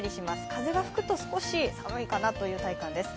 風が吹くと少し寒いかなという体感です。